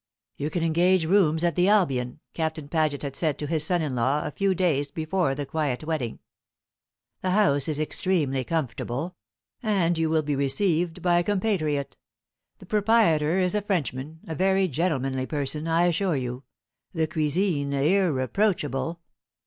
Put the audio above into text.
"You can engage rooms at the Albion," Captain Paget had said to his son in law a few days before the quiet wedding. "The house is extremely comfortable; and you will be received by a compatriot. The proprietor is a Frenchman, and a very gentlemanly person, I assure you; the cuisine irreproachable.